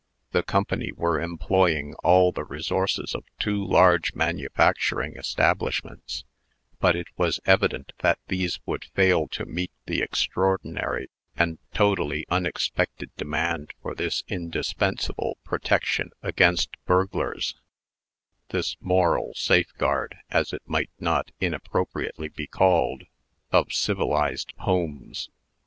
The Company were employing all the resources of two large manufacturing establishments; but it was evident that these would fail to meet the extraordinary and totally unexpected demand for this indispensable protection against burglars this moral safeguard, as it might not inappropriately be called, of civilized homes.